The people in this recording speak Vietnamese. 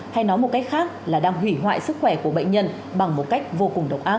hay nói một cách khác là đang hủy hoại sức khỏe của bệnh nhân bằng một cách vô cùng độc áp